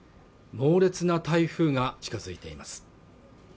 猛烈な台風が近づいています